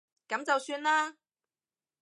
噉就算啦